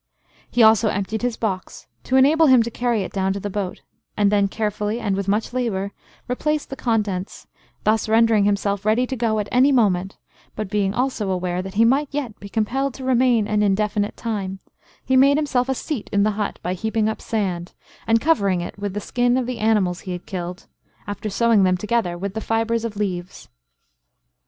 He also emptied his box, to enable him to carry it down to the boat, and then carefully, and with much labour, replaced the contents, thus rendering himself ready to go at any moment; but being also aware, that he might yet be compelled to remain an indefinite time, he made himself a seat in the hut, by heaping up sand, and covering it with the skins of the animals he had killed, after sewing them together with the fibres of leaves.